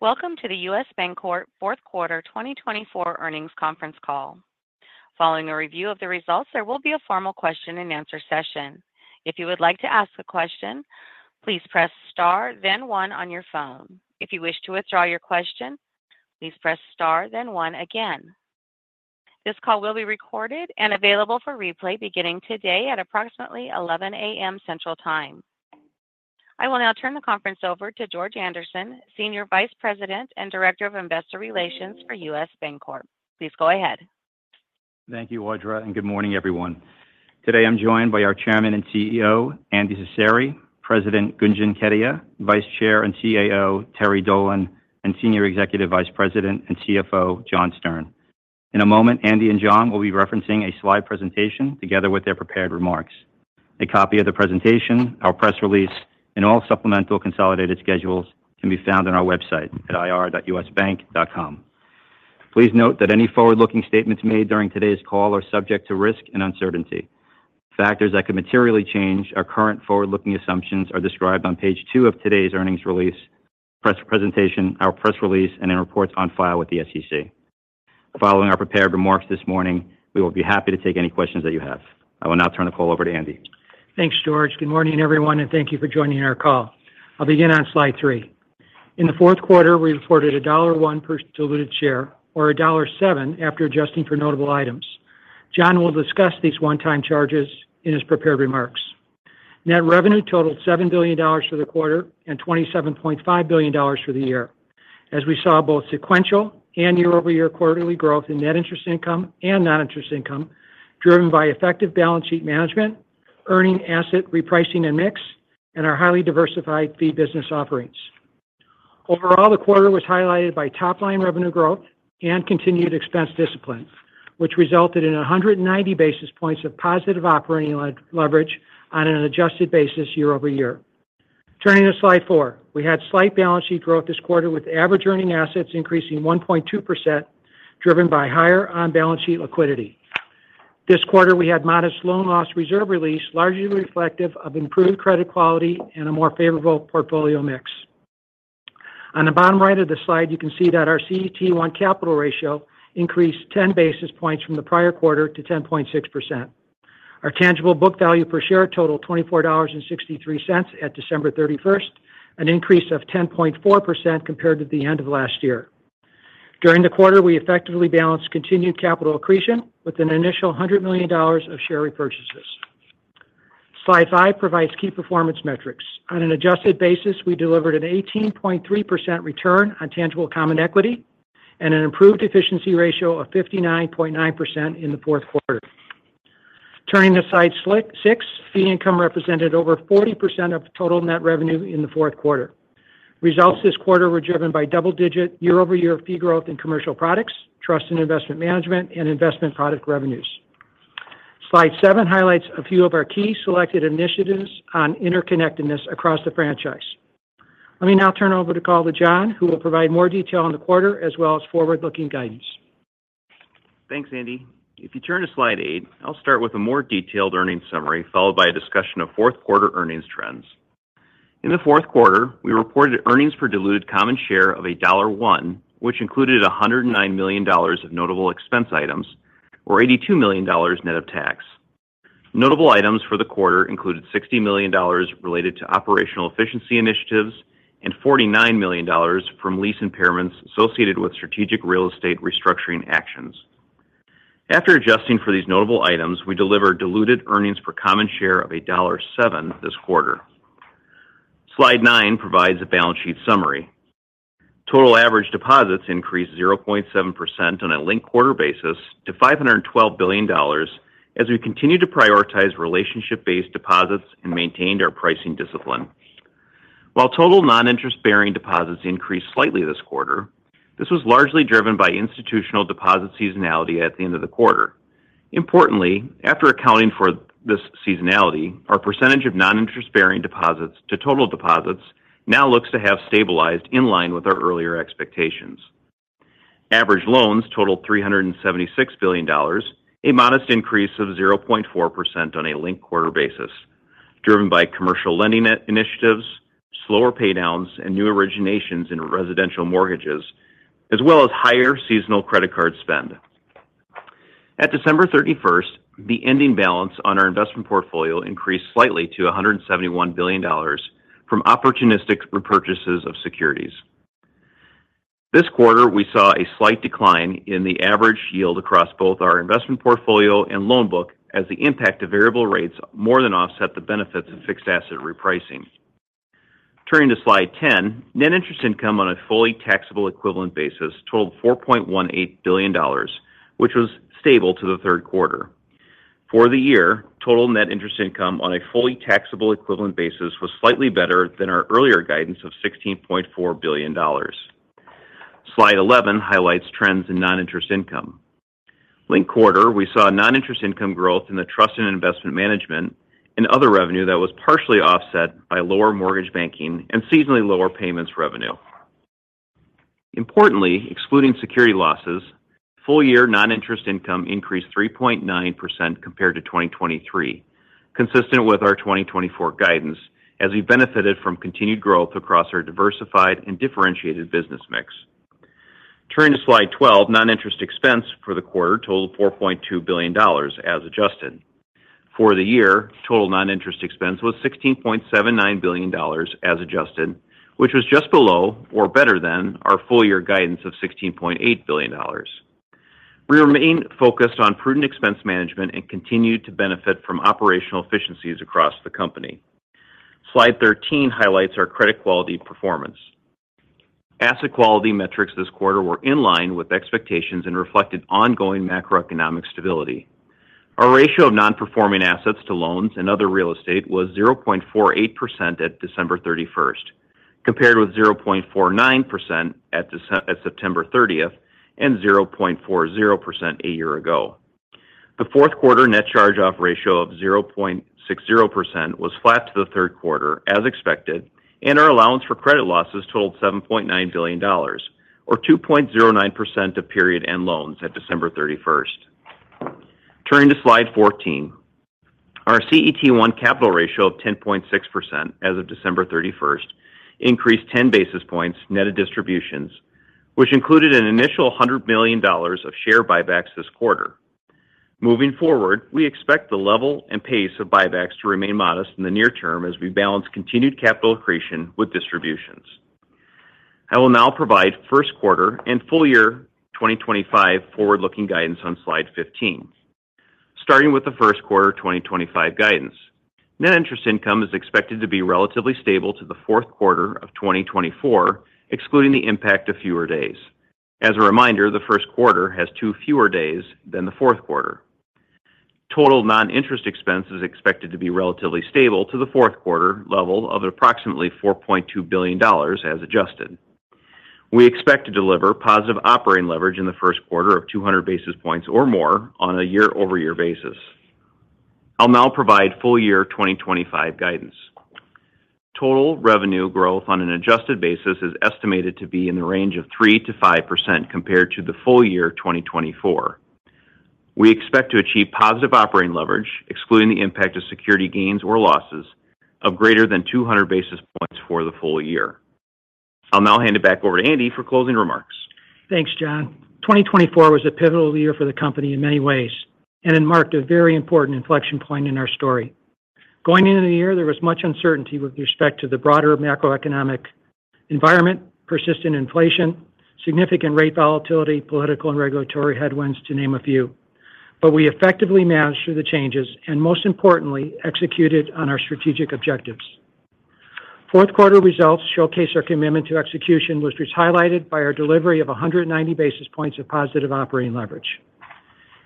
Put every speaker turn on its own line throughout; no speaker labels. Welcome to the U.S. Bancorp Fourth Quarter 2024 Earnings Conference call. Following a review of the results, there will be a formal question-and-answer session. If you would like to ask a question, please press star, then one on your phone. If you wish to withdraw your question, please press star, then one again. This call will be recorded and available for replay beginning today at approximately 11:00 A.M. Central Time. I will now turn the conference over to George Andersen, Senior Vice President and Director of Investor Relations for U.S. Bancorp. Please go ahead.
Thank you, Audra, and good morning, everyone. Today I'm joined by our Chairman and CEO, Andy Cecere, President Gunjan Kedia, Vice Chair and CAO, Terry Dolan, and Senior Executive Vice President and CFO, John Stern. In a moment, Andy and John will be referencing a slide presentation together with their prepared remarks. A copy of the presentation, our press release, and all supplemental consolidated schedules can be found on our website at ir.usbank.com. Please note that any forward-looking statements made during today's call are subject to risk and uncertainty. Factors that could materially change our current forward-looking assumptions are described on page two of today's earnings release, our press release, and in reports on file with the SEC. Following our prepared remarks this morning, we will be happy to take any questions that you have. I will now turn the call over to Andy.
Thanks, George. Good morning, everyone, and thank you for joining our call. I'll begin on slide three. In the fourth quarter, we reported a $1.01 per diluted share or a $1.07 after adjusting for notable items. John will discuss these one-time charges in his prepared remarks. Net revenue totaled $7 billion for the quarter and $27.5 billion for the year, as we saw both sequential and year-over-year quarterly growth in net interest income and non-interest income driven by effective balance sheet management, earning asset repricing and mix, and our highly diversified fee business offerings. Overall, the quarter was highlighted by top-line revenue growth and continued expense discipline, which resulted in 190 basis points of positive operating leverage on an adjusted basis year-over-year. Turning to slide four, we had slight balance sheet growth this quarter with average earning assets increasing 1.2% driven by higher on-balance sheet liquidity. This quarter, we had modest loan loss reserve release, largely reflective of improved credit quality and a more favorable portfolio mix. On the bottom right of the slide, you can see that our CET1 capital ratio increased 10 basis points from the prior quarter to 10.6%. Our tangible book value per share totaled $24.63 at December 31st, an increase of 10.4% compared to the end of last year. During the quarter, we effectively balanced continued capital accretion with an initial $100 million of share repurchases. Slide five provides key performance metrics. On an adjusted basis, we delivered an 18.3% return on tangible common equity and an improved efficiency ratio of 59.9% in the fourth quarter. Turning to slide six, fee income represented over 40% of total net revenue in the fourth quarter. Results this quarter were driven by double-digit year-over-year fee growth in commercial products, trust and investment management, and investment product revenues. Slide seven highlights a few of our key selected initiatives on interconnectedness across the franchise. Let me now turn over the call to John, who will provide more detail on the quarter as well as forward-looking guidance.
Thanks, Andy. If you turn to slide eight, I'll start with a more detailed earnings summary followed by a discussion of fourth quarter earnings trends. In the fourth quarter, we reported earnings per diluted common share of $1.01, which included $109 million of notable expense items or $82 million net of tax. Notable items for the quarter included $60 million related to operational efficiency initiatives and $49 million from lease impairments associated with strategic real estate restructuring actions. After adjusting for these notable items, we delivered diluted earnings per common share of $1.07 this quarter. Slide nine provides a balance sheet summary. Total average deposits increased 0.7% on a linked-quarter basis to $512 billion as we continued to prioritize relationship-based deposits and maintained our pricing discipline. While total non-interest-bearing deposits increased slightly this quarter, this was largely driven by institutional deposit seasonality at the end of the quarter. Importantly, after accounting for this seasonality, our percentage of non-interest-bearing deposits to total deposits now looks to have stabilized in line with our earlier expectations. Average loans totaled $376 billion, a modest increase of 0.4% on a linked quarter basis, driven by commercial lending initiatives, slower paydowns, and new originations in residential mortgages, as well as higher seasonal credit card spend. At December 31st, the ending balance on our investment portfolio increased slightly to $171 billion from opportunistic repurchases of securities. This quarter, we saw a slight decline in the average yield across both our investment portfolio and loan book as the impact of variable rates more than offset the benefits of fixed asset repricing. Turning to slide ten, net interest income on a fully taxable equivalent basis totaled $4.18 billion, which was stable to the third quarter. For the year, total net interest income on a fully taxable equivalent basis was slightly better than our earlier guidance of $16.4 billion. Slide 11 highlights trends in non-interest income. Linked quarter, we saw non-interest income growth in the trust and investment management and other revenue that was partially offset by lower mortgage banking and seasonally lower payments revenue. Importantly, excluding security losses, full-year non-interest income increased 3.9% compared to 2023, consistent with our 2024 guidance as we benefited from continued growth across our diversified and differentiated business mix. Turning to slide 12, non-interest expense for the quarter totaled $4.2 billion as adjusted. For the year, total non-interest expense was $16.79 billion as adjusted, which was just below or better than our full-year guidance of $16.8 billion. We remained focused on prudent expense management and continued to benefit from operational efficiencies across the company. Slide 13 highlights our credit quality performance. Asset quality metrics this quarter were in line with expectations and reflected ongoing macroeconomic stability. Our ratio of non-performing assets to loans and other real estate was 0.48% at December 31st, compared with 0.49% at September 30th and 0.40% a year ago. The fourth quarter net charge-off ratio of 0.60% was flat to the third quarter as expected, and our allowance for credit losses totaled $7.9 billion or 2.09% of period-end loans at December 31st. Turning to slide 14, our CET1 capital ratio of 10.6% as of December 31st increased 10 basis points net of distributions, which included an initial $100 million of share buybacks this quarter. Moving forward, we expect the level and pace of buybacks to remain modest in the near term as we balance continued capital accretion with distributions. I will now provide first quarter and full-year 2025 forward-looking guidance on slide 15. Starting with the first quarter 2025 guidance, net interest income is expected to be relatively stable to the fourth quarter of 2024, excluding the impact of fewer days. As a reminder, the first quarter has two fewer days than the fourth quarter. Total non-interest expense is expected to be relatively stable to the fourth quarter level of approximately $4.2 billion as adjusted. We expect to deliver positive operating leverage in the first quarter of 200 basis points or more on a year-over-year basis. I'll now provide full-year 2025 guidance. Total revenue growth on an adjusted basis is estimated to be in the range of 3%-5% compared to the full-year 2024. We expect to achieve positive operating leverage, excluding the impact of security gains or losses, of greater than 200 basis points for the full year. I'll now hand it back over to Andy for closing remarks.
Thanks, John. 2024 was a pivotal year for the company in many ways and it marked a very important inflection point in our story. Going into the year, there was much uncertainty with respect to the broader macroeconomic environment, persistent inflation, significant rate volatility, political and regulatory headwinds, to name a few. But we effectively managed through the changes and, most importantly, executed on our strategic objectives. Fourth quarter results showcase our commitment to execution, which was highlighted by our delivery of 190 basis points of positive operating leverage.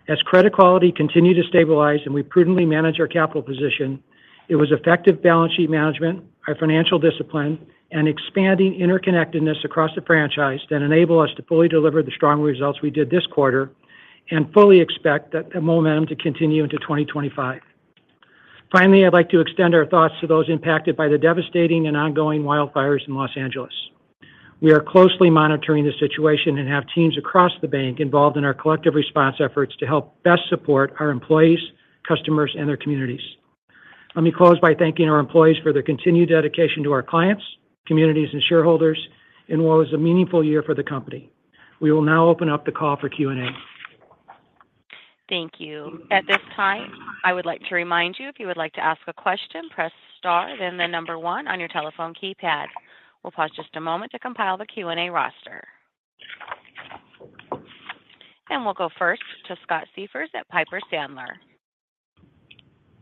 As credit quality continued to stabilize and we prudently managed our capital position, it was effective balance sheet management, our financial discipline, and expanding interconnectedness across the franchise that enabled us to fully deliver the strong results we did this quarter and fully expect that momentum to continue into 2025. Finally, I'd like to extend our thoughts to those impacted by the devastating and ongoing wildfires in Los Angeles. We are closely monitoring the situation and have teams across the bank involved in our collective response efforts to help best support our employees, customers, and their communities. Let me close by thanking our employees for their continued dedication to our clients, communities, and shareholders, and what was a meaningful year for the company. We will now open up the call for Q&A.
Thank you. At this time, I would like to remind you, if you would like to ask a question, press star, then the number one on your telephone keypad. We'll pause just a moment to compile the Q&A roster. And we'll go first to Scott Siefers at Piper Sandler.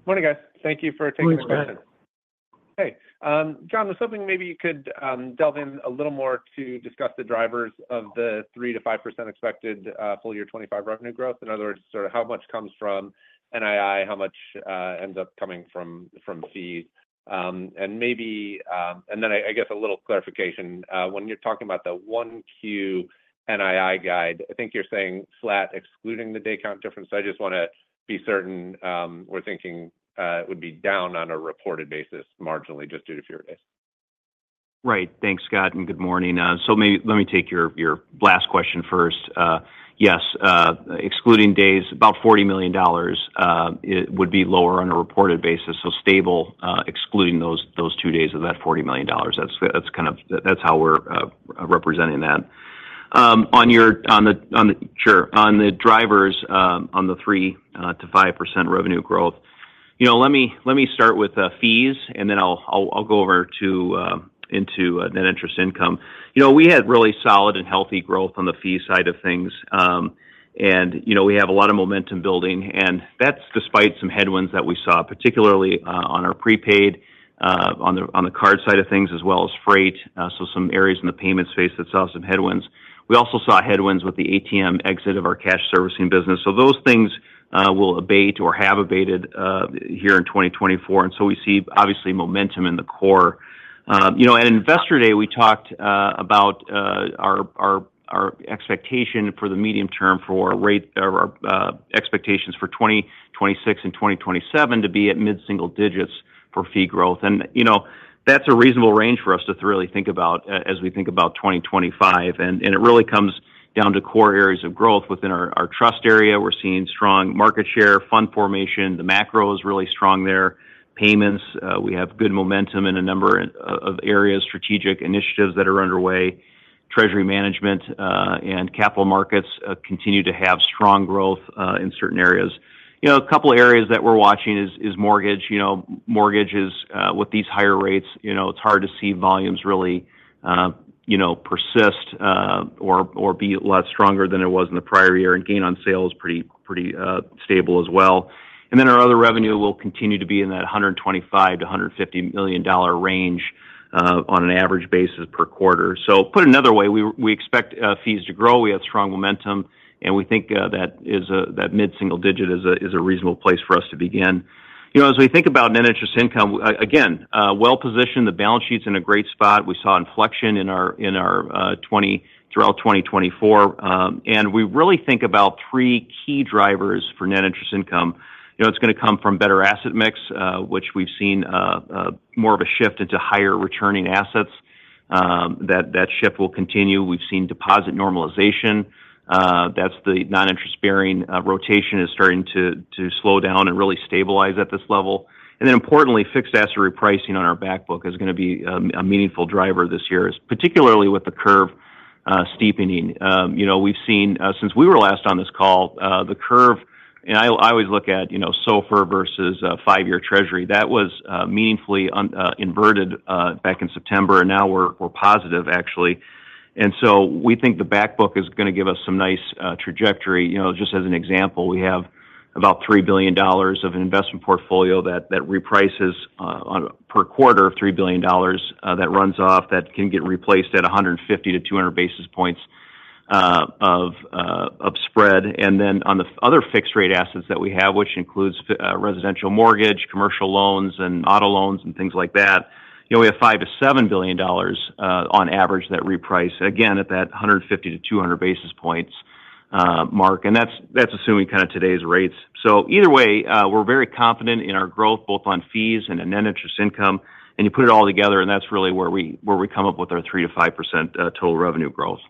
Morning, guys. Thank you for taking this question.
Good morning.
Hey, John, there's something maybe you could delve in a little more to discuss the drivers of the 3%-5% expected full-year 2025 revenue growth. In other words, sort of how much comes from NII, how much ends up coming from fees. And then I guess a little clarification. When you're talking about the 1Q NII guide, I think you're saying flat, excluding the day count difference. I just want to be certain we're thinking it would be down on a reported basis marginally just due to fewer days.
Right. Thanks, Scott, and good morning. So let me take your last question first. Yes, excluding days, about $40 million would be lower on a reported basis. So stable, excluding those two days of that $40 million. That's how we're representing that. On the drivers, on the 3%-5% revenue growth, let me start with fees, and then I'll go over into net interest income. We had really solid and healthy growth on the fee side of things, and we have a lot of momentum building. And that's despite some headwinds that we saw, particularly on our prepaid, on the card side of things, as well as freight. So some areas in the payment space that saw some headwinds. We also saw headwinds with the ATM exit of our cash servicing business. So those things will abate or have abated here in 2024. We see, obviously, momentum in the core. At Investor Day, we talked about our expectation for the medium term for our expectations for 2026 and 2027 to be at mid-single digits for fee growth. That's a reasonable range for us to really think about as we think about 2025. It really comes down to core areas of growth within our trust area. We're seeing strong market share, fund formation. The macro is really strong there. Payments, we have good momentum in a number of areas, strategic initiatives that are underway. Treasury management and capital markets continue to have strong growth in certain areas. A couple of areas that we're watching is mortgage. Mortgages, with these higher rates, it's hard to see volumes really persist or be a lot stronger than it was in the prior year. Gain on sales is pretty stable as well. And then our other revenue will continue to be in that $125 million-$150 million range on an average basis per quarter. So put another way, we expect fees to grow. We have strong momentum, and we think that mid-single digit is a reasonable place for us to begin. As we think about net interest income, again, well-positioned, the balance sheet's in a great spot. We saw an inflection in our NIM throughout 2024. And we really think about three key drivers for net interest income. It's going to come from better asset mix, which we've seen more of a shift into higher returning assets. That shift will continue. We've seen deposit normalization. That's the non-interest-bearing rotation is starting to slow down and really stabilize at this level. And then, importantly, fixed asset repricing on our backbook is going to be a meaningful driver this year, particularly with the curve steepening. We've seen, since we were last on this call, the curve, and I always look at SOFR versus five-year Treasury. That was meaningfully inverted back in September, and now we're positive, actually. And so we think the backbook is going to give us some nice trajectory. Just as an example, we have about $3 billion of an investment portfolio that reprices per quarter of $3 billion that runs off that can get replaced at 150-200 basis points of spread. And then on the other fixed-rate assets that we have, which includes residential mortgage, commercial loans, and auto loans, and things like that, we have $5 billion-$7 billion on average that reprice, again, at that 150-200 basis points mark. And that's assuming kind of today's rates. So either way, we're very confident in our growth, both on fees and in net interest income. You put it all together, and that's really where we come up with our 3%-5% total revenue growth.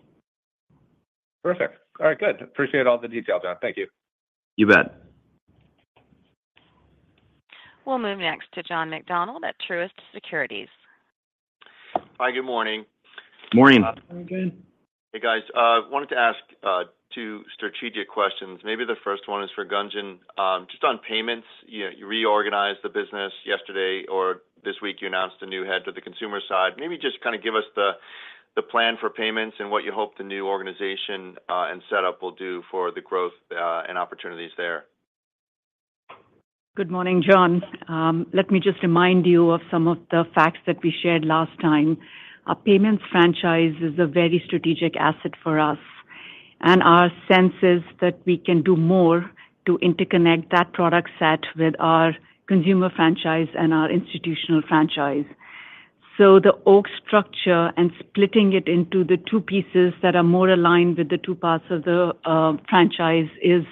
Perfect. All right, good. Appreciate all the details, John. Thank you.
You bet.
We'll move next to John McDonald at Truist Securities.
Hi, good morning.
Morning.
Morning, John.
Hey, guys. I wanted to ask two strategic questions. Maybe the first one is for Gunjan. Just on payments, you reorganized the business yesterday, or this week you announced a new head to the consumer side. Maybe just kind of give us the plan for payments and what you hope the new organization and setup will do for the growth and opportunities there.
Good morning, John. Let me just remind you of some of the facts that we shared last time. Our payments franchise is a very strategic asset for us, and our sense is that we can do more to interconnect that product set with our consumer franchise and our institutional franchise. So the org structure and splitting it into the two pieces that are more aligned with the two parts of the franchise is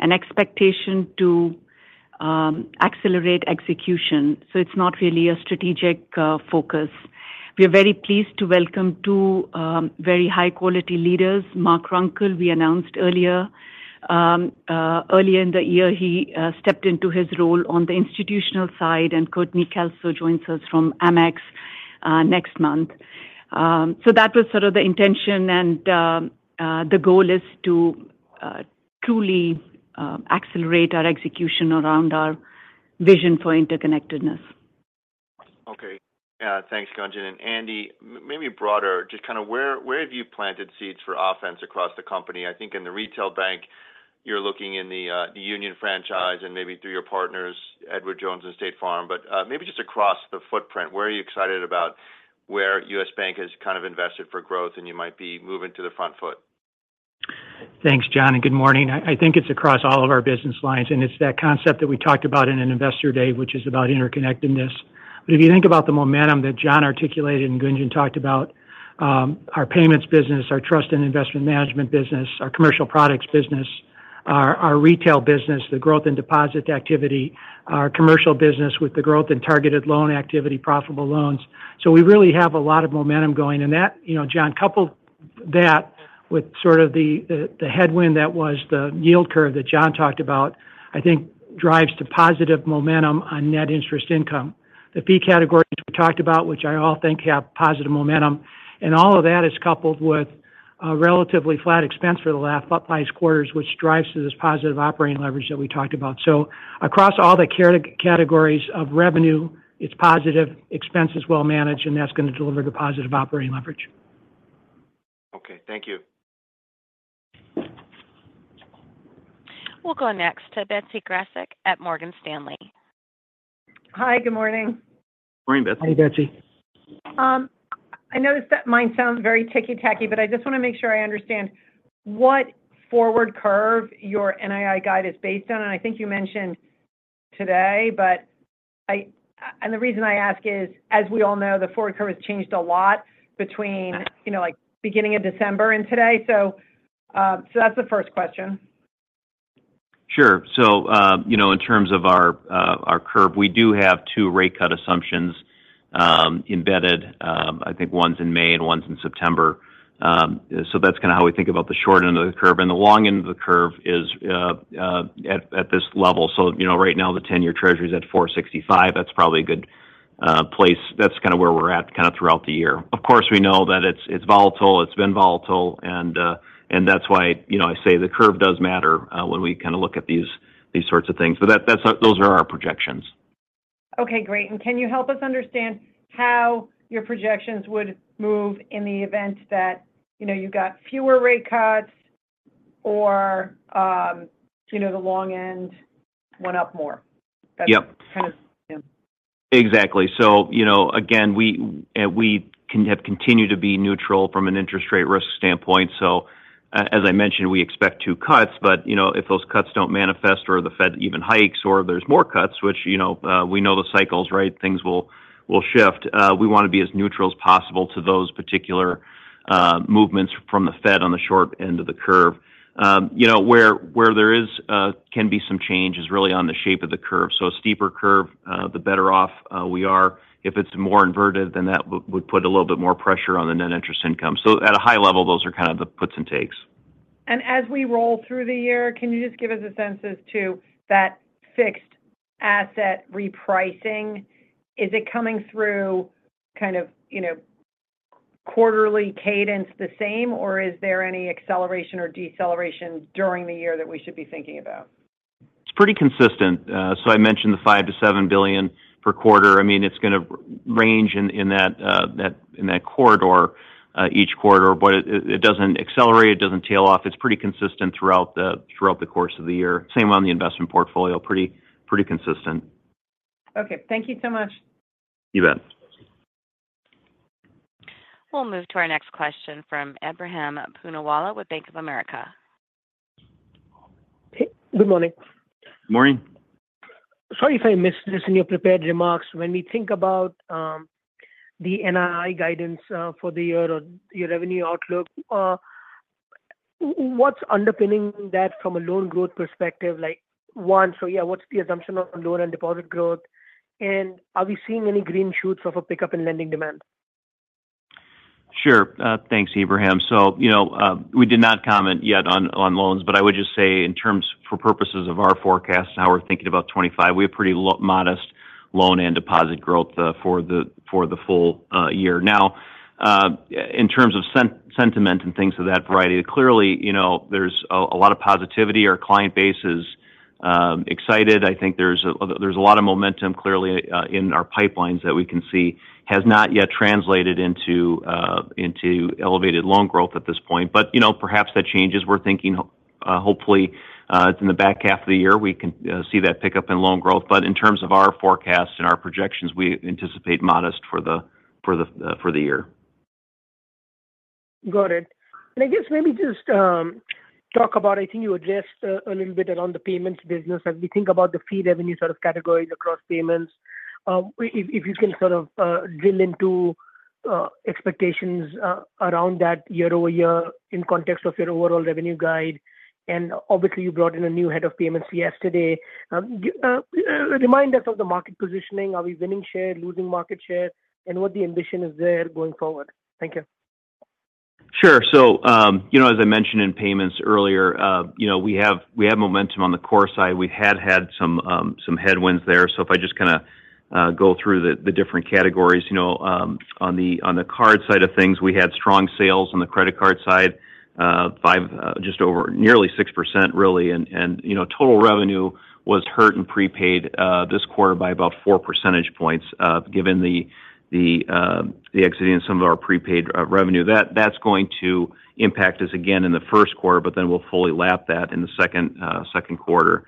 an expectation to accelerate execution. So it's not really a strategic focus. We are very pleased to welcome two very high-quality leaders. Mark Runkel, we announced earlier. Earlier in the year, he stepped into his role on the institutional side, and Courtney Kelso joins us from Amex next month. So that was sort of the intention, and the goal is to truly accelerate our execution around our vision for interconnectedness.
Okay. Yeah, thanks, Gunjan. And Andy, maybe broader, just kind of where have you planted seeds for offense across the company? I think in the retail bank, you're looking in the Union franchise and maybe through your partners, Edward Jones and State Farm. But maybe just across the footprint, where are you excited about where U.S. Bank has kind of invested for growth, and you might be moving to the front foot?
Thanks, John, and good morning. I think it's across all of our business lines, and it's that concept that we talked about in Investor Day, which is about interconnectedness, but if you think about the momentum that John articulated and Gunjan talked about, our payments business, our trust and investment management business, our commercial products business, our retail business, the growth and deposit activity, our commercial business with the growth and targeted loan activity, profitable loans, so we really have a lot of momentum going, and that, John, couple that with sort of the headwind that was the yield curve that John talked about, I think drives to positive momentum on net interest income. The fee categories we talked about, which I all think have positive momentum, and all of that is coupled with a relatively flat expense for the last five quarters, which drives to this positive operating leverage that we talked about. So across all the categories of revenue, it's positive. Expense is well managed, and that's going to deliver the positive operating leverage.
Okay. Thank you.
We'll go next to Betsy Graseck at Morgan Stanley.
Hi, good morning.
Morning, Betsy.
Hi, Betsy.
I noticed that mine sounds very ticky-tacky, but I just want to make sure I understand what forward curve your NII guide is based on. And I think you mentioned today, but the reason I ask is, as we all know, the forward curve has changed a lot between beginning of December and today. So that's the first question.
Sure. So in terms of our curve, we do have two rate cut assumptions embedded. I think one's in May and one's in September. So that's kind of how we think about the short end of the curve. And the long end of the curve is at this level. So right now, the 10-year Treasury is at 4.65%. That's probably a good place. That's kind of where we're at kind of throughout the year. Of course, we know that it's volatile. It's been volatile. And that's why I say the curve does matter when we kind of look at these sorts of things. But those are our projections.
Okay, great. And can you help us understand how your projections would move in the event that you got fewer rate cuts or the long end went up more?
Yep.
Kind of.
Exactly. So again, we have continued to be neutral from an interest rate risk standpoint. So as I mentioned, we expect two cuts. But if those cuts don't manifest or the Fed even hikes or there's more cuts, which we know the cycles, right, things will shift, we want to be as neutral as possible to those particular movements from the Fed on the short end of the curve. Where there can be some change is really on the shape of the curve. So a steeper curve, the better off we are. If it's more inverted, then that would put a little bit more pressure on the net interest income. So at a high level, those are kind of the puts and takes.
As we roll through the year, can you just give us a sense as to that fixed asset repricing? Is it coming through kind of quarterly cadence the same, or is there any acceleration or deceleration during the year that we should be thinking about?
It's pretty consistent. So I mentioned the $5 billion-$7 billion per quarter. I mean, it's going to range in that corridor each quarter. But it doesn't accelerate. It doesn't tail off. It's pretty consistent throughout the course of the year. Same on the investment portfolio. Pretty consistent.
Okay. Thank you so much.
You bet.
We'll move to our next question from Ebrahim Poonawala with Bank of America.
Good morning.
Morning.
Sorry if I missed this in your prepared remarks. When we think about the NII guidance for the year or your revenue outlook, what's underpinning that from a loan growth perspective? One, so yeah, what's the assumption on loan and deposit growth? And are we seeing any green shoots of a pickup in lending demand?
Sure. Thanks, Abraham. So we did not comment yet on loans, but I would just say in terms for purposes of our forecast, how we're thinking about 2025, we have pretty modest loan and deposit growth for the full year. Now, in terms of sentiment and things of that variety, clearly, there's a lot of positivity. Our client base is excited. I think there's a lot of momentum clearly in our pipelines that we can see has not yet translated into elevated loan growth at this point. But perhaps that changes. We're thinking, hopefully, in the back half of the year, we can see that pickup in loan growth. But in terms of our forecasts and our projections, we anticipate modest for the year.
Got it. And I guess maybe just talk about I think you addressed a little bit around the payments business as we think about the fee revenue sort of categories across payments. If you can sort of drill into expectations around that year-over-year in context of your overall revenue guide. And obviously, you brought in a new head of payments yesterday. Remind us of the market positioning. Are we winning share, losing market share, and what the ambition is there going forward? Thank you.
Sure. So as I mentioned in payments earlier, we have momentum on the core side. We had had some headwinds there. So if I just kind of go through the different categories. On the card side of things, we had strong sales on the credit card side, just over nearly 6%, really. And total revenue was hurt in prepaid this quarter by about 4 percentage points given the exiting and some of our prepaid revenue. That's going to impact us again in the first quarter, but then we'll fully lap that in the second quarter.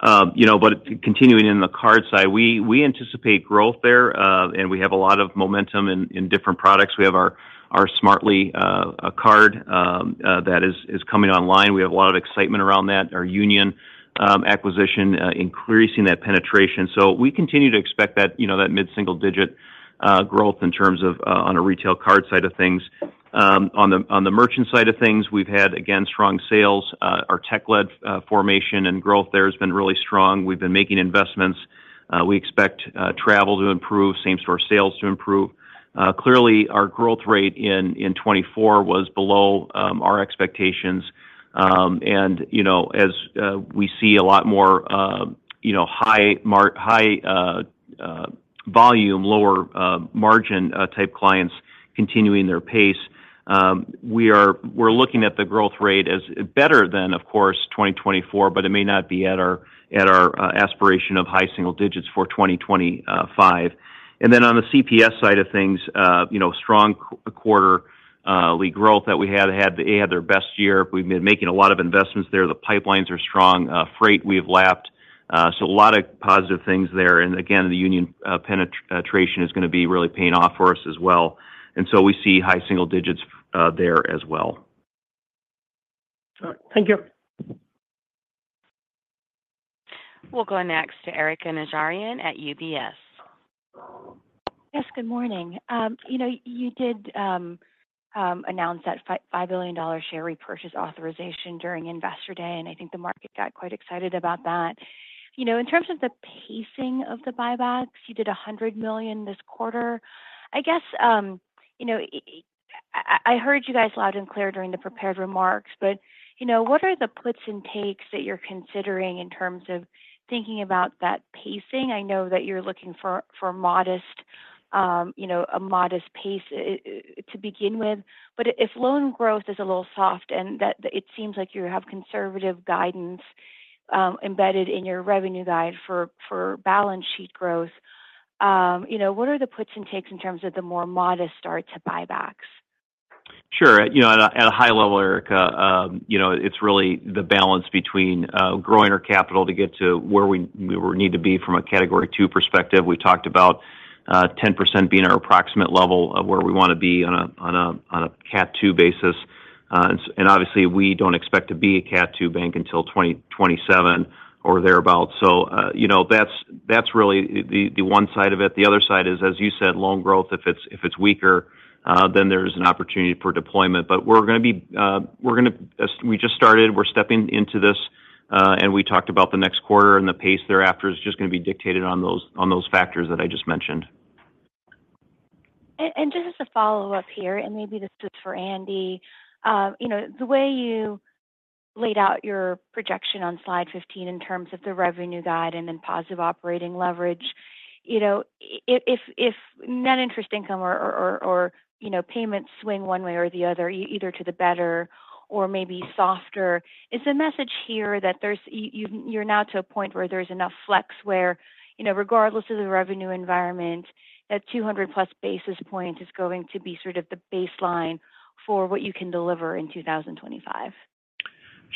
But continuing in the card side, we anticipate growth there, and we have a lot of momentum in different products. We have our Smartly card that is coming online. We have a lot of excitement around that. Our Union Bank acquisition increasing that penetration. So we continue to expect that mid-single-digit growth in terms of on a retail card side of things. On the merchant side of things, we've had, again, strong sales. Our tech-led formation and growth there has been really strong. We've been making investments. We expect travel to improve, same-store sales to improve. Clearly, our growth rate in 2024 was below our expectations. And as we see a lot more high volume, lower margin type clients continuing their pace, we're looking at the growth rate as better than, of course, 2024, but it may not be at our aspiration of high single digits for 2025. And then on the CPS side of things, strong quarterly growth that we had. They had their best year. We've been making a lot of investments there. The pipelines are strong. Freight, we've lapped. So a lot of positive things there. Again, the union penetration is going to be really paying off for us as well. We see high single digits there as well.
Thank you.
We'll go next to Erica Najarian at UBS.
Yes, good morning. You did announce that $5 billion share repurchase authorization during Investor Day, and I think the market got quite excited about that. In terms of the pacing of the buybacks, you did $100 million this quarter. I guess I heard you guys loud and clear during the prepared remarks, but what are the puts and takes that you're considering in terms of thinking about that pacing? I know that you're looking for a modest pace to begin with, but if loan growth is a little soft and it seems like you have conservative guidance embedded in your revenue guide for balance sheet growth, what are the puts and takes in terms of the more modest start to buybacks?
Sure. At a high level, Erica, it's really the balance between growing our capital to get to where we need to be from a Category II perspective. We talked about 10% being our approximate level of where we want to be on a Category II basis. And obviously, we don't expect to be a Category II bank until 2027 or thereabouts. So that's really the one side of it. The other side is, as you said, loan growth. If it's weaker, then there's an opportunity for deployment. But we just started. We're stepping into this, and we talked about the next quarter, and the pace thereafter is just going to be dictated on those factors that I just mentioned.
And just as a follow-up here, and maybe this is for Andy, the way you laid out your projection on slide 15 in terms of the revenue guide and then positive operating leverage, if net interest income or payments swing one way or the other, either to the better or maybe softer, is the message here that you're now to a point where there's enough flex where, regardless of the revenue environment, that 200+ basis points is going to be sort of the baseline for what you can deliver in 2025?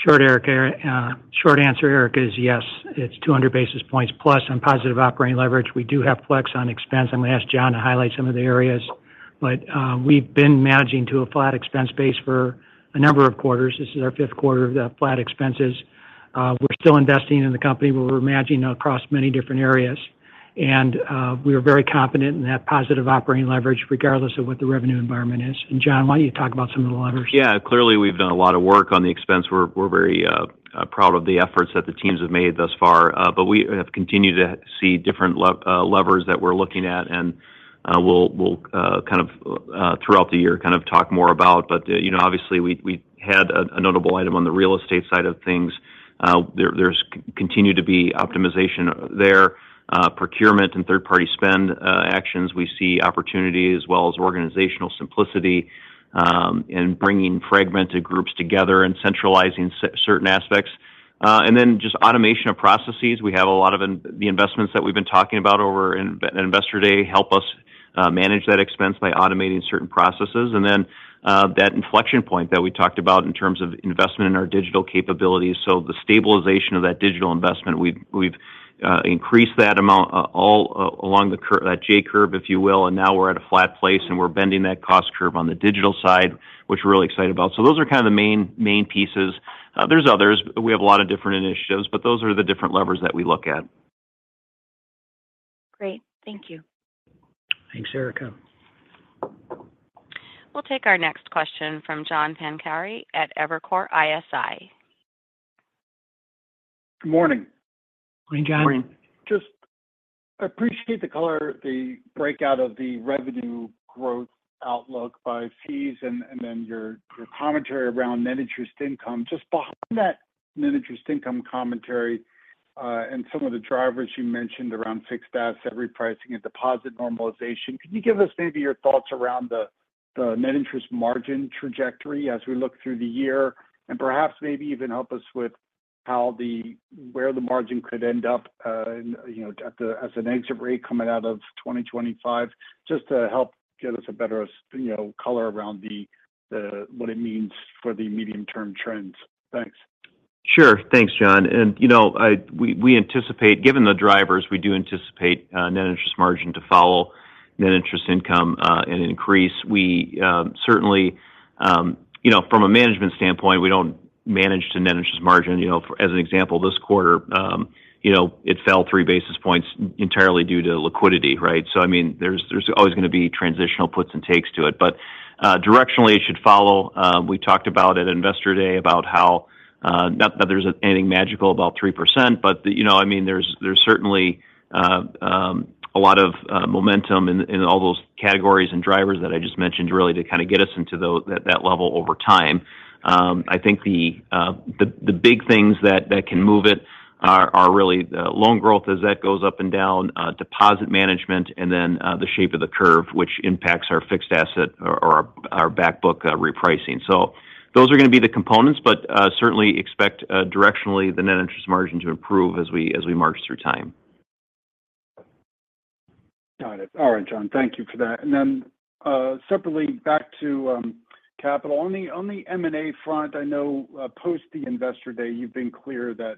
Sure, Erica. Short answer, Erica, is yes. It's 200 basis points plus on positive operating leverage. We do have flex on expense. I'm going to ask John to highlight some of the areas. But we've been managing to a flat expense base for a number of quarters. This is our fifth quarter of the flat expenses. We're still investing in the company, but we're managing across many different areas. And we are very confident in that positive operating leverage regardless of what the revenue environment is. And John, why don't you talk about some of the levers?
Yeah. Clearly, we've done a lot of work on the expense. We're very proud of the efforts that the teams have made thus far. But we have continued to see different levers that we're looking at and will kind of throughout the year kind of talk more about. But obviously, we had a notable item on the real estate side of things. There's continued to be optimization there. Procurement and third-party spend actions. We see opportunity as well as organizational simplicity and bringing fragmented groups together and centralizing certain aspects. And then just automation of processes. We have a lot of the investments that we've been talking about over at Investor Day help us manage that expense by automating certain processes. And then that inflection point that we talked about in terms of investment in our digital capabilities. So the stabilization of that digital investment, we've increased that amount all along that J-curve, if you will. And now we're at a flat place, and we're bending that cost curve on the digital side, which we're really excited about. So those are kind of the main pieces. There's others. We have a lot of different initiatives, but those are the different levers that we look at.
Great. Thank you.
Thanks, Erica.
We'll take our next question from John Pancari at Evercore ISI.
Good morning.
Morning, John.
Morning. I just appreciate the breakdown of the revenue growth outlook by fees and then your commentary around net interest income. Just behind that net interest income commentary and some of the drivers you mentioned around fixed asset repricing and deposit normalization, could you give us maybe your thoughts around the net interest margin trajectory as we look through the year, and perhaps maybe even help us with where the margin could end up as an exit rate coming out of 2025, just to help give us a better color around what it means for the medium-term trends. Thanks.
Sure. Thanks, John. And we anticipate, given the drivers, we do anticipate net interest margin to follow net interest income and increase. We certainly, from a management standpoint, we don't manage to net interest margin. As an example, this quarter, it fell three basis points entirely due to liquidity, right? So I mean, there's always going to be transitional puts and takes to it. But directionally, it should follow. We talked about at Investor Day about how not that there's anything magical about 3%, but I mean, there's certainly a lot of momentum in all those categories and drivers that I just mentioned really to kind of get us into that level over time. I think the big things that can move it are really loan growth as that goes up and down, deposit management, and then the shape of the curve, which impacts our fixed asset or our backbook repricing. So those are going to be the components, but certainly expect directionally the net interest margin to improve as we march through time.
Got it. All right, John. Thank you for that. And then separately back to capital. On the M&A front, I know post the Investor Day, you've been clear that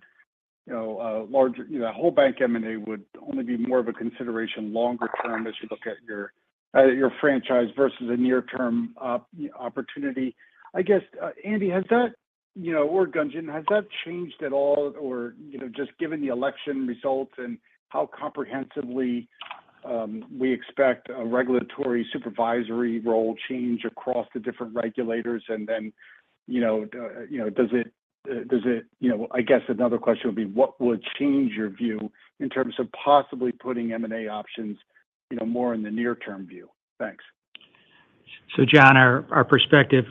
the whole bank M&A would only be more of a consideration longer term as you look at your franchise versus a near-term opportunity. I guess, Andy, has that or Gunjan, has that changed at all? Or just given the election results and how comprehensively we expect a regulatory supervisory role change across the different regulators? And then does it I guess another question would be, what would change your view in terms of possibly putting M&A options more in the near-term view? Thanks.
So John, our perspective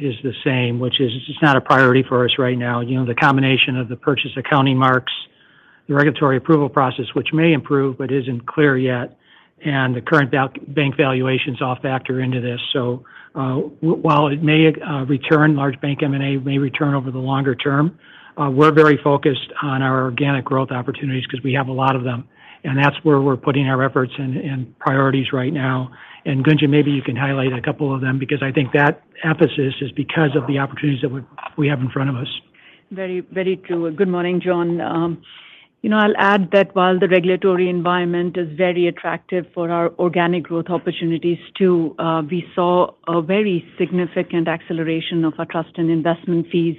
is the same, which is it's not a priority for us right now. The combination of the purchase accounting marks, the regulatory approval process, which may improve, but isn't clear yet. And the current bank valuations all factor into this. So while it may return, large bank M&A may return over the longer term. We're very focused on our organic growth opportunities because we have a lot of them. And that's where we're putting our efforts and priorities right now. And Gunjan, maybe you can highlight a couple of them because I think that emphasis is because of the opportunities that we have in front of us.
Very true. Good morning, John. I'll add that while the regulatory environment is very attractive for our organic growth opportunities too, we saw a very significant acceleration of our trust and investment fees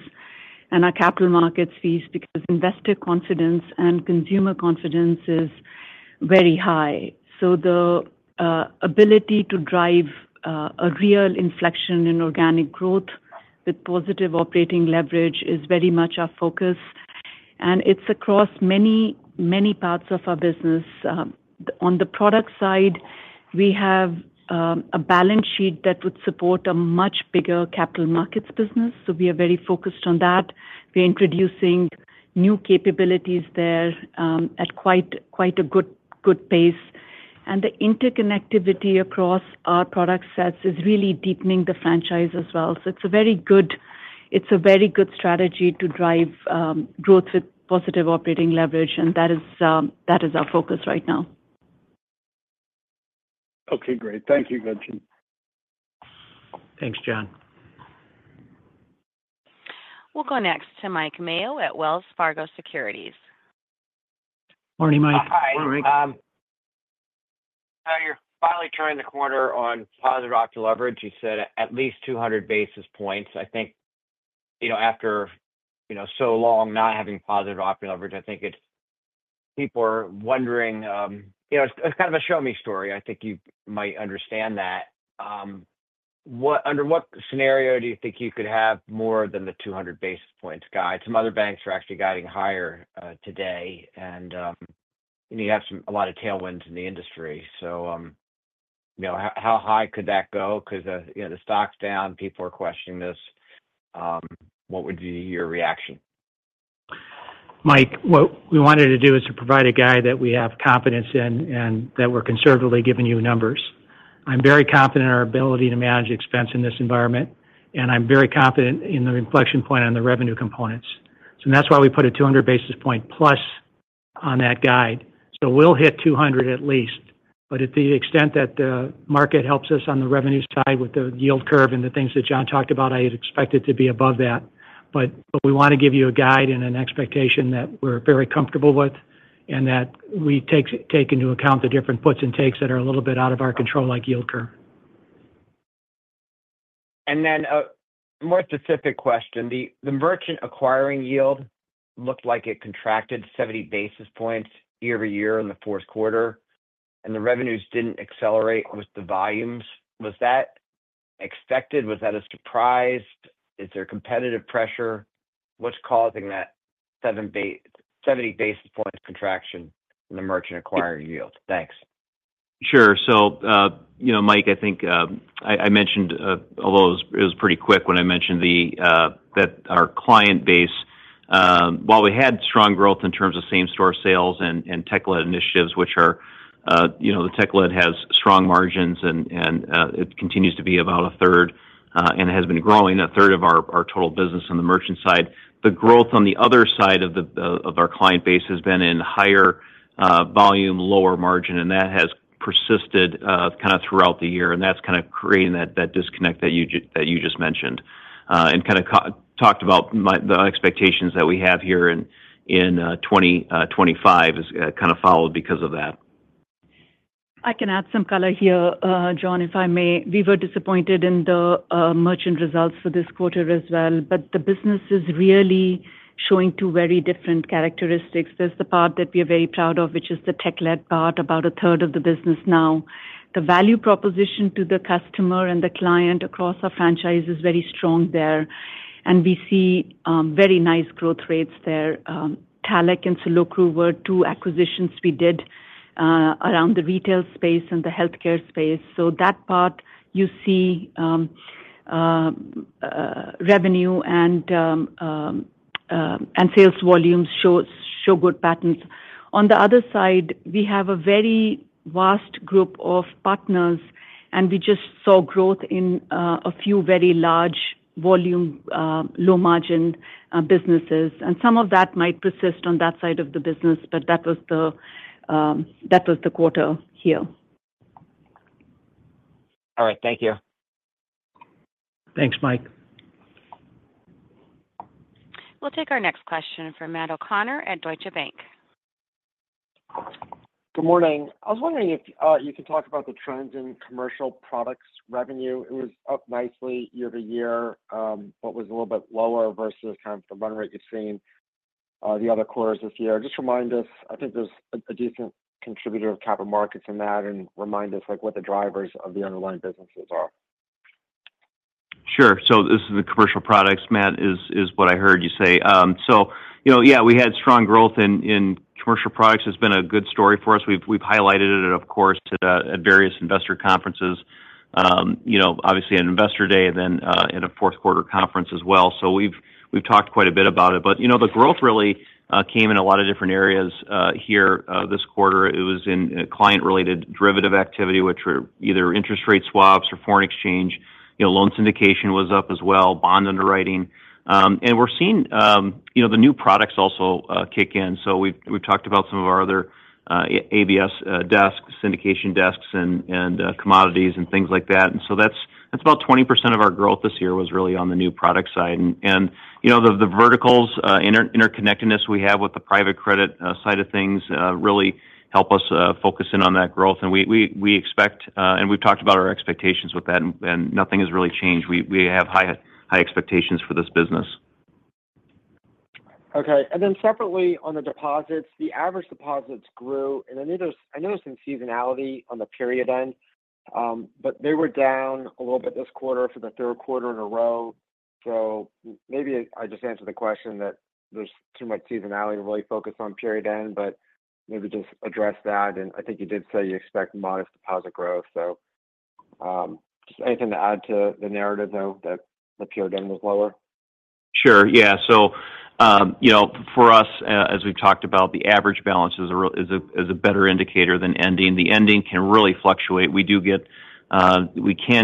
and our capital markets fees because investor confidence and consumer confidence is very high. So the ability to drive a real inflection in organic growth with positive operating leverage is very much our focus. And it's across many, many parts of our business. On the product side, we have a balance sheet that would support a much bigger capital markets business. So we are very focused on that. We're introducing new capabilities there at quite a good pace. And the interconnectivity across our product sets is really deepening the franchise as well. So it's a very good strategy to drive growth with positive operating leverage, and that is our focus right now.
Okay, great. Thank you, Gunjan.
Thanks, John.
We'll go next to Mike Mayo at Wells Fargo Securities.
Morning, Mike.
Hi, Mike. How are you? How are you? Finally turning the corner on positive operating leverage. You said at least 200 basis points. I think after so long not having positive operating leverage, I think people are wondering it's kind of a show-me story. I think you might understand that. Under what scenario do you think you could have more than the 200 basis points guide? Some other banks are actually guiding higher today, and you have a lot of tailwinds in the industry. So how high could that go? Because the stock's down, people are questioning this. What would be your reaction?
Mike, what we wanted to do is to provide a guide that we have confidence in and that we're conservatively giving you numbers. I'm very confident in our ability to manage expense in this environment, and I'm very confident in the inflection point on the revenue components. And that's why we put a 200 basis points plus on that guide. So we'll hit 200 at least. But to the extent that the market helps us on the revenue side with the yield curve and the things that John talked about, I expect it to be above that. But we want to give you a guide and an expectation that we're very comfortable with and that we take into account the different puts and takes that are a little bit out of our control, like yield curve.
Then a more specific question. The merchant acquiring yield looked like it contracted 70 basis points year over year in the fourth quarter, and the revenues didn't accelerate with the volumes. Was that expected? Was that a surprise? Is there competitive pressure? What's causing that 70 basis points contraction in the merchant acquiring yield? Thanks.
Sure. So Mike, I think I mentioned, although it was pretty quick when I mentioned that our client base, while we had strong growth in terms of same-store sales and tech-led initiatives, which are the tech-led has strong margins, and it continues to be about a third and has been growing a third of our total business on the merchant side. The growth on the other side of our client base has been in higher volume, lower margin, and that has persisted kind of throughout the year. And that's kind of creating that disconnect that you just mentioned. And kind of talked about the expectations that we have here in 2025 is kind of followed because of that.
I can add some color here, John, if I may. We were disappointed in the merchant results for this quarter as well, but the business is really showing two very different characteristics. There's the part that we are very proud of, which is the tech-led part, about a third of the business now. The value proposition to the customer and the client across our franchise is very strong there. And we see very nice growth rates there. Talech and Salucro were two acquisitions we did around the retail space and the healthcare space. So that part, you see revenue and sales volumes show good patterns. On the other side, we have a very vast group of partners, and we just saw growth in a few very large volume, low-margin businesses. And some of that might persist on that side of the business, but that was the quarter here.
All right. Thank you.
Thanks, Mike.
We'll take our next question from Matt O'Connor at Deutsche Bank.
Good morning. I was wondering if you could talk about the trends in commercial products revenue. It was up nicely year to year, but was a little bit lower versus kind of the run rate you've seen the other quarters this year. Just remind us, I think there's a decent contributor of capital markets in that and remind us what the drivers of the underlying businesses are.
Sure. So this is the commercial products, Matt, is what I heard you say. So yeah, we had strong growth in commercial products. It's been a good story for us. We've highlighted it, of course, at various investor conferences, obviously at Investor Day and then at a fourth-quarter conference as well. So we've talked quite a bit about it. But the growth really came in a lot of different areas here this quarter. It was in client-related derivative activity, which were either interest rate swaps or foreign exchange. Loan syndication was up as well, bond underwriting. And we're seeing the new products also kick in. So we've talked about some of our other ABS desks, syndication desks, and commodities and things like that. And so that's about 20% of our growth this year was really on the new product side. And the verticals, interconnectedness we have with the private credit side of things really help us focus in on that growth. And we expect, and we've talked about our expectations with that, and nothing has really changed. We have high expectations for this business.
Okay. And then separately on the deposits, the average deposits grew. And I noticed some seasonality on the period end, but they were down a little bit this quarter for the third quarter in a row. So maybe I just answered the question that there's too much seasonality to really focus on period end, but maybe just address that. And I think you did say you expect modest deposit growth. So just anything to add to the narrative though that the period end was lower?
Sure. Yeah. So for us, as we've talked about, the average balance is a better indicator than ending. The ending can really fluctuate. We can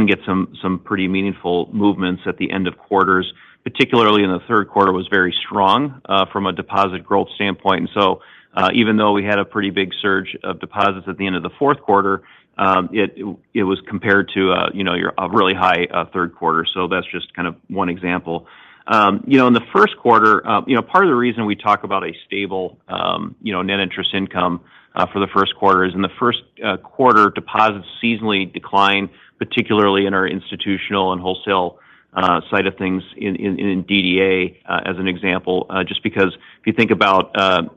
get some pretty meaningful movements at the end of quarters. Particularly in the third quarter was very strong from a deposit growth standpoint. And so even though we had a pretty big surge of deposits at the end of the fourth quarter, it was compared to a really high third quarter. So that's just kind of one example. In the first quarter, part of the reason we talk about a stable net interest income for the first quarter is in the first quarter, deposits seasonally decline, particularly in our institutional and wholesale side of things in DDA as an example. Just because if you think about our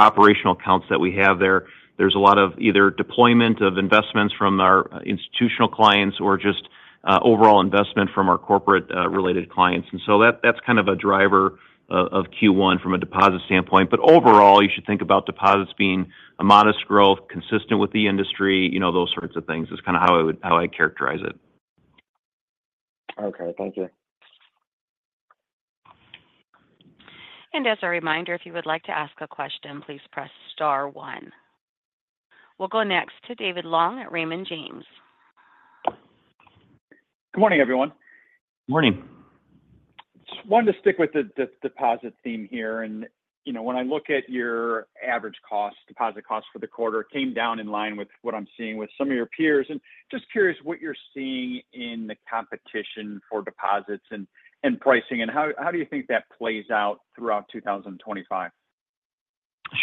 operational accounts that we have there, there's a lot of either deployment of investments from our institutional clients or just overall investment from our corporate-related clients. And so that's kind of a driver of Q1 from a deposit standpoint. But overall, you should think about deposits being a modest growth, consistent with the industry, those sorts of things. That's kind of how I characterize it.
Okay. Thank you.
As a reminder, if you would like to ask a question, please press star one. We'll go next to David Long at Raymond James.
Good morning, everyone.
Good morning.
Just wanted to stick with the deposit theme here, and when I look at your average cost, deposit cost for the quarter, it came down in line with what I'm seeing with some of your peers, and just curious what you're seeing in the competition for deposits and pricing, and how do you think that plays out throughout 2025?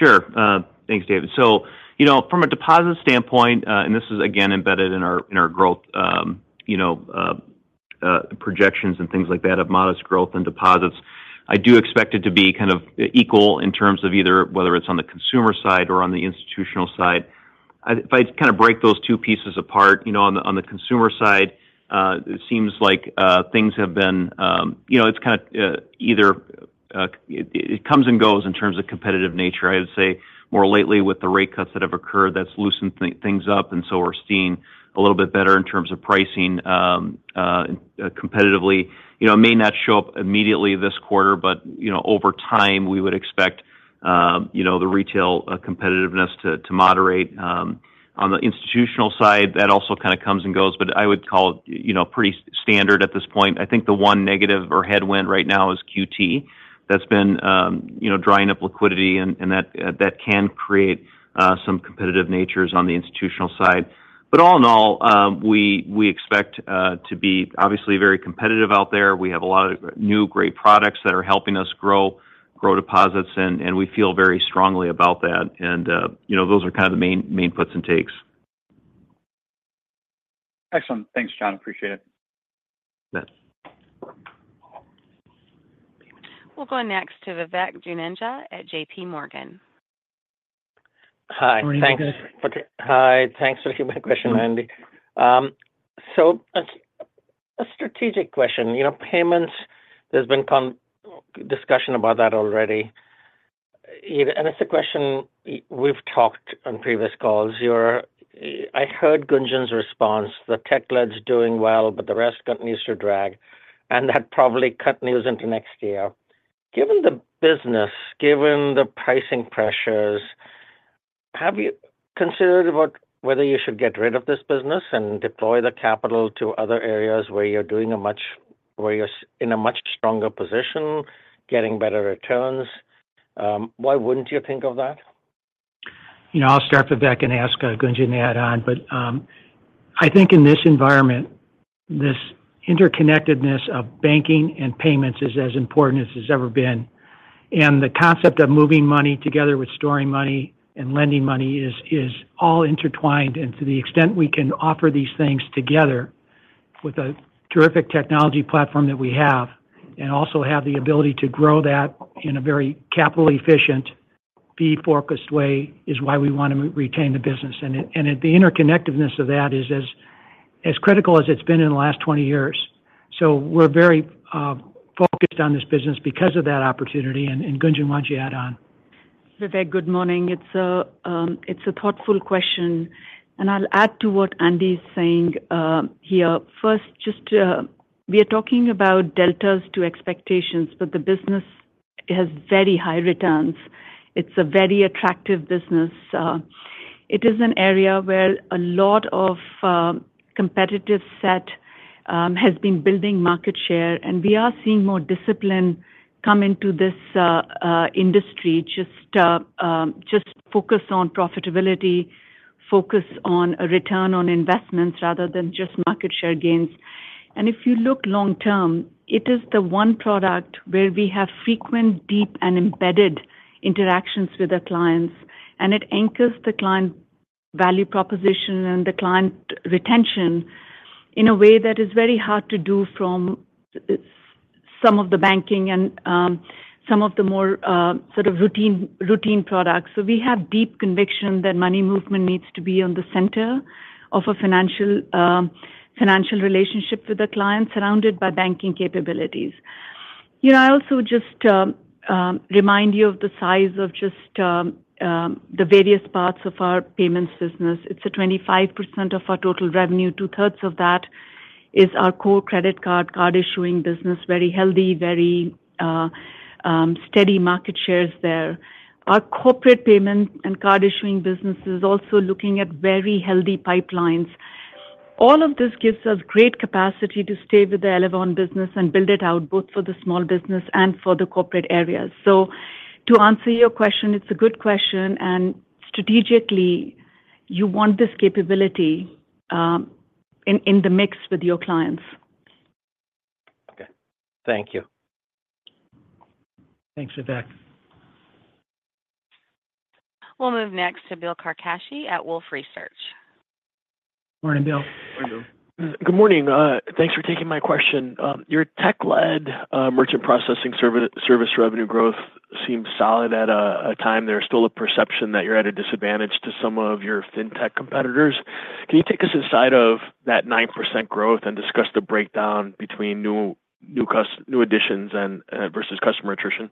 Sure. Thanks, David. So from a deposit standpoint, and this is again embedded in our growth projections and things like that of modest growth and deposits, I do expect it to be kind of equal in terms of either whether it's on the consumer side or on the institutional side. If I kind of break those two pieces apart, on the consumer side, it seems like things have been. It's kind of either it comes and goes in terms of competitive nature. I would say more lately with the rate cuts that have occurred, that's loosened things up. And so we're seeing a little bit better in terms of pricing competitively. It may not show up immediately this quarter, but over time, we would expect the retail competitiveness to moderate. On the institutional side, that also kind of comes and goes, but I would call it pretty standard at this point. I think the one negative or headwind right now is QT. That's been drying up liquidity, and that can create some competitive natures on the institutional side. But all in all, we expect to be obviously very competitive out there. We have a lot of new great products that are helping us grow deposits, and we feel very strongly about that, and those are kind of the main puts and takes.
Excellent. Thanks, John. Appreciate it.
Good.
We'll go next to Vivek Juneja at J.P. Morgan.
Hi.
Morning, everyone.
Thanks for my question, Andy. So a strategic question. Payments, there's been discussion about that already. And it's a question we've talked on previous calls. I heard Gunjan's response, "Talech's doing well, but the rest continues to drag," and that probably continues into next year. Given the business, given the pricing pressures, have you considered whether you should get rid of this business and deploy the capital to other areas where you're in a much stronger position, getting better returns? Why wouldn't you think of that?
I'll start with that and ask Gunjan to add on, but I think in this environment, this interconnectedness of banking and payments is as important as it's ever been. The concept of moving money together with storing money and lending money is all intertwined. To the extent we can offer these things together with a terrific technology platform that we have and also have the ability to grow that in a very capital-efficient, fee-focused way is why we want to retain the business. The interconnectedness of that is as critical as it's been in the last 20 years. We're very focused on this business because of that opportunity. Gunjan wants you to add on.
Vivek, good morning. It's a thoughtful question. And I'll add to what Andy is saying here. First, just we are talking about deltas to expectations, but the business has very high returns. It's a very attractive business. It is an area where a lot of competitive set has been building market share. And we are seeing more discipline come into this industry, just focus on profitability, focus on return on investments rather than just market share gains. And if you look long-term, it is the one product where we have frequent, deep, and embedded interactions with the clients. And it anchors the client value proposition and the client retention in a way that is very hard to do from some of the banking and some of the more sort of routine products. So we have deep conviction that money movement needs to be on the center of a financial relationship with the client surrounded by banking capabilities. I also just remind you of the size of just the various parts of our payments business. It's 25% of our total revenue. Two-thirds of that is our core credit card issuing business, very healthy, very steady market shares there. Our corporate payment and card issuing business is also looking at very healthy pipelines. All of this gives us great capacity to stay with the Elavon business and build it out both for the small business and for the corporate areas. So to answer your question, it's a good question. And strategically, you want this capability in the mix with your clients.
Okay. Thank you.
Thanks, Vivek.
We'll move next to Bill Carcache at Wolfe Research.
Morning, Bill.
Good morning. Thanks for taking my question. Your tech-led merchant processing service revenue growth seems solid at a time there's still a perception that you're at a disadvantage to some of your fintech competitors. Can you take us inside of that 9% growth and discuss the breakdown between new additions versus customer attrition?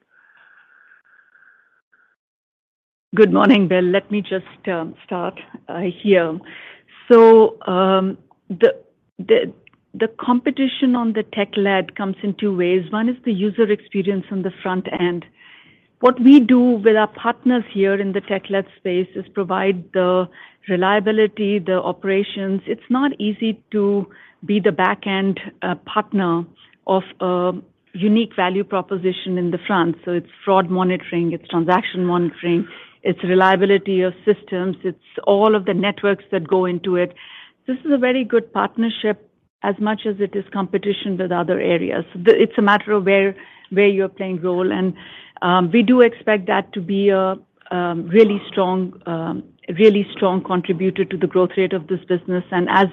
Good morning, Bill. Let me just start here. So the competition on the tech-led comes in two ways. One is the user experience on the front end. What we do with our partners here in the tech-led space is provide the reliability, the operations. It's not easy to be the backend partner of a unique value proposition in the front. So it's fraud monitoring, it's transaction monitoring, it's reliability of systems, it's all of the networks that go into it. This is a very good partnership as much as it is competition with other areas. It's a matter of where you're playing role. And we do expect that to be a really strong contributor to the growth rate of this business. And as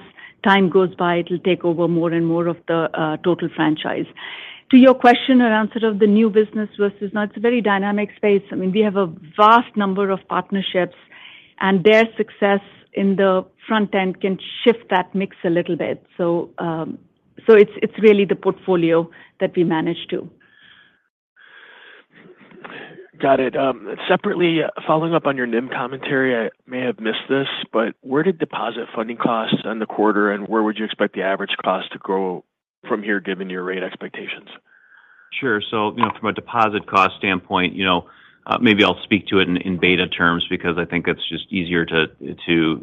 time goes by, it'll take over more and more of the total franchise. To your question around sort of the new business versus not, it's a very dynamic space. I mean, we have a vast number of partnerships, and their success in the front end can shift that mix a little bit. So it's really the portfolio that we manage to.
Got it. Separately, following up on your NIM commentary, I may have missed this, but where did deposit funding costs end the quarter, and where would you expect the average cost to grow from here given your rate expectations?
Sure. So from a deposit cost standpoint, maybe I'll speak to it in beta terms because I think it's just easier to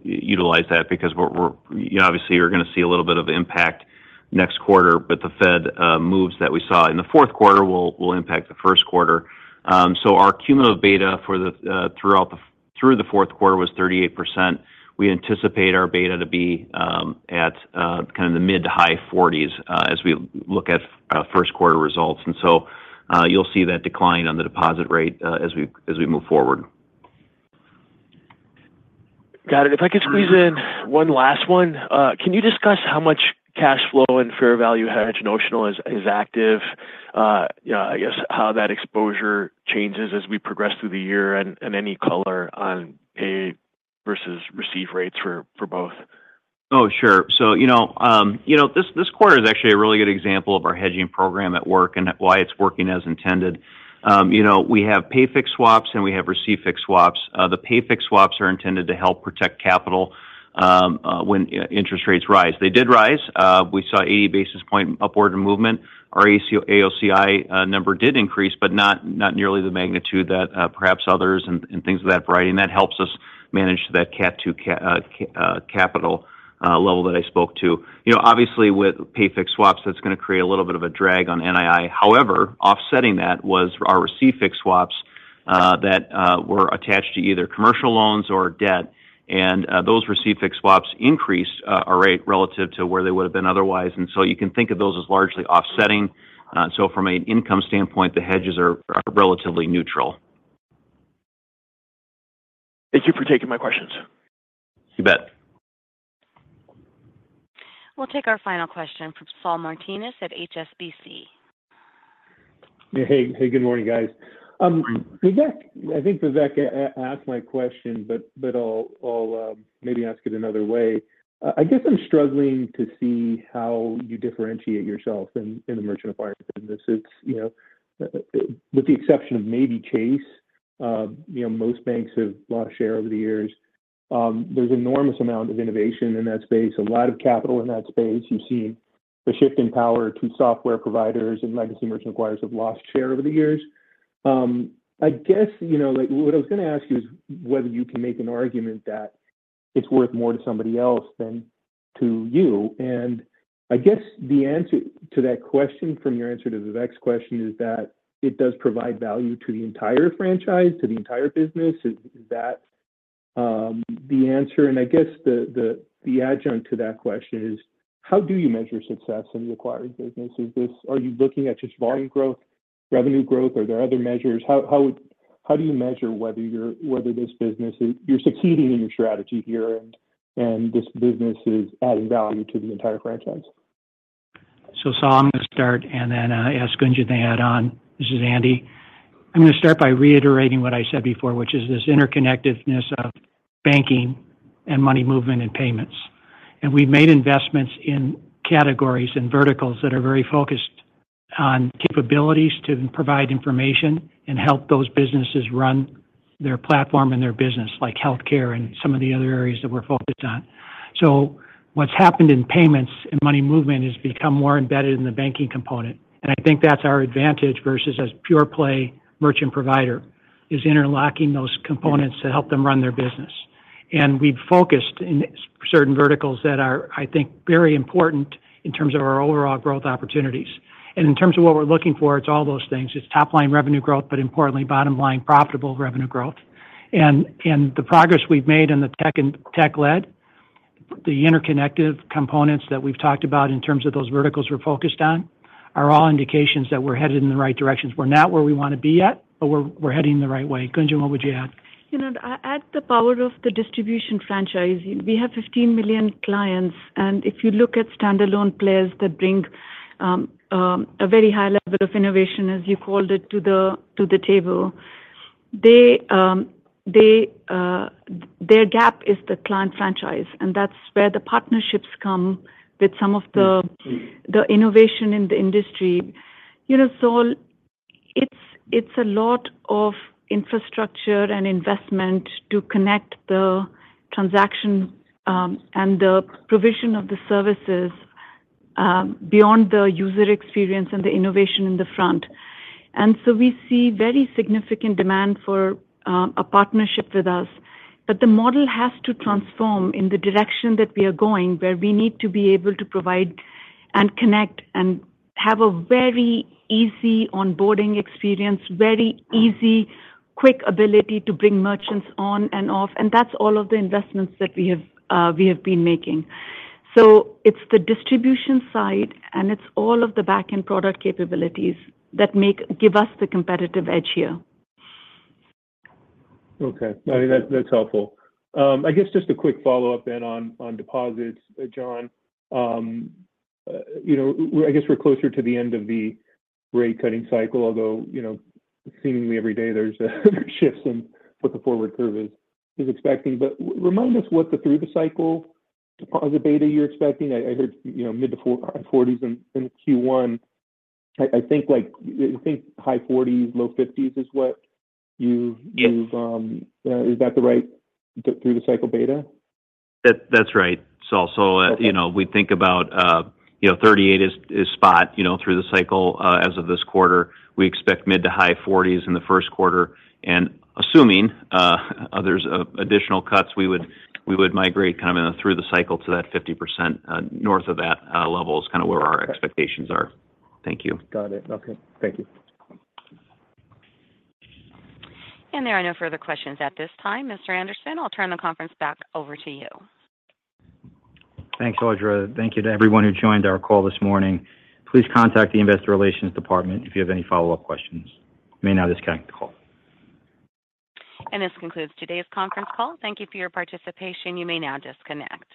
utilize that because obviously you're going to see a little bit of impact next quarter, but the Fed moves that we saw in the fourth quarter will impact the first quarter. So our cumulative beta throughout the fourth quarter was 38%. We anticipate our beta to be at kind of the mid to high 40s as we look at first quarter results. And so you'll see that decline on the deposit rate as we move forward.
Got it. If I could squeeze in one last one, can you discuss how much cash flow and fair value hedge notional is active, I guess how that exposure changes as we progress through the year and any color on pay versus receive rates for both?
Oh, sure. So this quarter is actually a really good example of our hedging program at work and why it's working as intended. We have pay fixed swaps and we have receive fixed swaps. The pay fixed swaps are intended to help protect capital when interest rates rise. They did rise. We saw 80 basis points upward movement. Our AOCI number did increase, but not nearly the magnitude that perhaps others and things of that variety. And that helps us manage that Category II capital level that I spoke to. Obviously, with pay fixed swaps, that's going to create a little bit of a drag on NII. However, offsetting that was our receive fixed swaps that were attached to either commercial loans or debt. And those receive fixed swaps increased our rate relative to where they would have been otherwise. And so you can think of those as largely offsetting. So from an income standpoint, the hedges are relatively neutral.
Thank you for taking my questions.
You bet.
We'll take our final question from Saul Martinez at HSBC.
Hey, good morning, guys. I think Vivek asked my question, but I'll maybe ask it another way. I guess I'm struggling to see how you differentiate yourself in the merchant acquiring business. With the exception of maybe Chase, most banks have lost share over the years. There's an enormous amount of innovation in that space, a lot of capital in that space. You've seen a shift in power to software providers, and legacy merchant acquirers have lost share over the years. I guess what I was going to ask you is whether you can make an argument that it's worth more to somebody else than to you. And I guess the answer to that question from your answer to Vivek's question is that it does provide value to the entire franchise, to the entire business. Is that the answer? I guess the adjunct to that question is, how do you measure success in the acquiring business? Are you looking at just volume growth, revenue growth, or are there other measures? How do you measure whether this business is one you're succeeding in your strategy here and this business is adding value to the entire franchise?
So, Saul, I'm going to start and then ask Gunjan to add on. This is Andy. I'm going to start by reiterating what I said before, which is this interconnectedness of banking and money movement and payments. And we've made investments in categories and verticals that are very focused on capabilities to provide information and help those businesses run their platform and their business, like healthcare and some of the other areas that we're focused on. So what's happened in payments and money movement has become more embedded in the banking component. And I think that's our advantage versus a pure play merchant provider, is interlocking those components to help them run their business. And we've focused in certain verticals that are, I think, very important in terms of our overall growth opportunities. And in terms of what we're looking for, it's all those things. It's top-line revenue growth, but importantly, bottom-line profitable revenue growth. And the progress we've made in the tech-led, the interconnected components that we've talked about in terms of those verticals we're focused on are all indications that we're headed in the right directions. We're not where we want to be yet, but we're heading the right way. Gunjan, what would you add?
You know, add the power of the distribution franchise. We have 15 million clients. And if you look at standalone players that bring a very high level of innovation, as you called it, to the table, their gap is the client franchise. And that's where the partnerships come with some of the innovation in the industry. Saul, it's a lot of infrastructure and investment to connect the transaction and the provision of the services beyond the user experience and the innovation in the front. And so we see very significant demand for a partnership with us. But the model has to transform in the direction that we are going, where we need to be able to provide and connect and have a very easy onboarding experience, very easy, quick ability to bring merchants on and off. And that's all of the investments that we have been making. So it's the distribution side, and it's all of the backend product capabilities that give us the competitive edge here.
Okay. That's helpful. I guess just a quick follow-up then on deposits, John. I guess we're closer to the end of the rate-cutting cycle, although seemingly every day there's shifts in what the forward curve is expecting. But remind us what the through-the-cycle deposit beta you're expecting. I heard mid to high 40s in Q1. I think high 40s, low 50s is what you've - is that the right through-the-cycle beta?
That's right, Saul. So we think about 38% is spot through the cycle as of this quarter. We expect mid- to high-40s% in the first quarter. And assuming there's additional cuts, we would migrate kind of through the cycle to that 50% north of that level is kind of where our expectations are. Thank you.
Got it. Okay. Thank you.
There are no further questions at this time, Mr. Andersen. I'll turn the conference back over to you.
Thanks, Audra. Thank you to everyone who joined our call this morning. Please contact the Investor Relations Department if you have any follow-up questions. You may now disconnect the call.
This concludes today's conference call. Thank you for your participation. You may now disconnect.